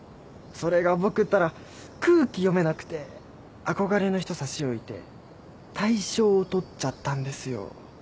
それが僕ったら空気読めなくて憧れの人差し置いて大賞を取っちゃったんですよ。